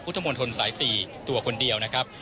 พุทธมนตรสาย๔ตัวคนเดียวนะครับ